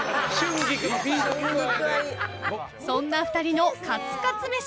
［そんな２人のカツカツ飯］